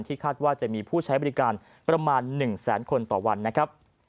คาดว่าจะมีผู้ใช้บริการประมาณ๑แสนคนต่อวันนะครับ